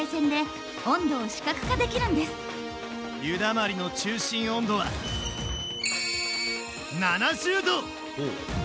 湯だまりの中心温度は７０℃！